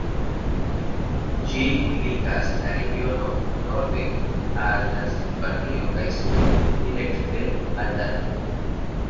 Ĝi ligas la regionon norden al Transilvanio kaj suden direkte al Danubo.